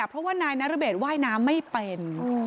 เพราะว่านายนรเบศว่ายน้ำไม่เป็น